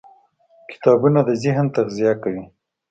کتابونه د ذهن تغذیه کوي.